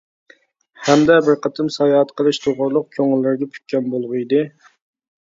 ھەمدە بىر قېتىم ساياھەت قىلىش توغرۇلۇق كۆڭۈللىرىگە پۈككەن بولغىيدى.